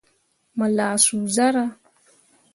Mo lah suu zarah.